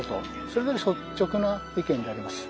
それが率直な意見であります。